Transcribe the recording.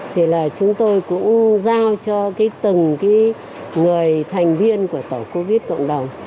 thì là chúng tôi cũng giao cho từng người thành viên của tổng covid cộng đồng